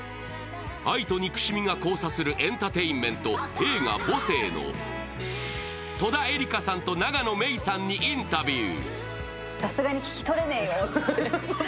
愛と憎しみが交差するエンターテインメント、映画「母性」の戸田恵梨香さんと永野芽郁さんにインタビュー。